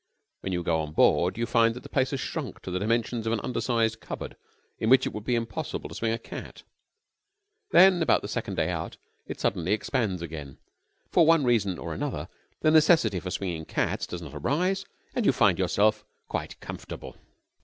When you go on board you find that the place has shrunk to the dimensions of an undersized cupboard in which it would be impossible to swing a cat. And then, about the second day out, it suddenly expands again. For one reason or another the necessity for swinging cats does not arise and you find yourself quite comfortable.